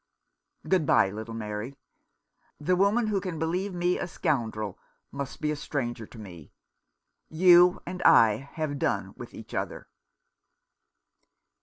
Good bye, little Mary. The woman who can believe me a scoundrel must be a stranger to me. You and I have done with each other."